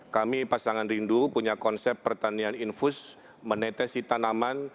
kami pasangan rindu punya konsep pertanian infus menetesi tanaman